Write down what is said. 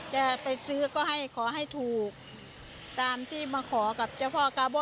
จะไปซื้อก็ให้ขอให้ถูกตามที่มาขอกับเจ้าพ่อกาโบ้